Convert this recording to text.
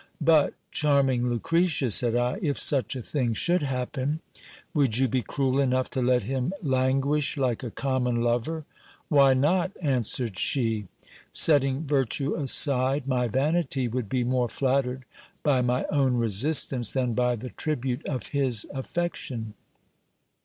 But, charming Lucretia, said I, if such a thing should happen, would you be cruel enough to let him languish like a common lover? Why not? answered she. Setting virtue aside, my vanity would be more flattered by my own resistance than by the tribute of his affection.